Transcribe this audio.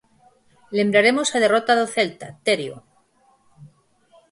Lembraremos a derrota do Celta, Terio.